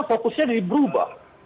fokusnya jadi berubah